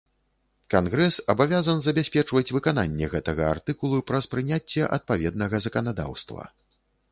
Кангрэс абавязан забяспечваць выкананне гэтага артыкулу праз прыняцце адпаведнага заканадаўства.